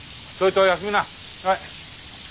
はい。